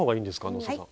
能勢さん。